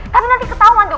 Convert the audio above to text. tapi nanti ketauan dong